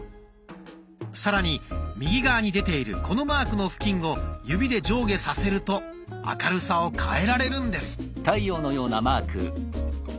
さらに右側に出ているこのマークの付近を指で上下させると明るさを変えられるんです。